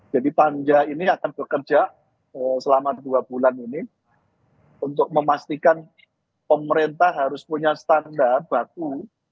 jadi panja ini akan bekerja selama dua bulan ini untuk memastikan pemerintah harus punya standar batu